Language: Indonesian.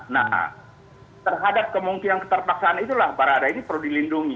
nah terhadap kemungkinan keterpaksaan itulah barada ini perlu dilindungi